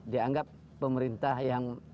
dianggap pemerintah yang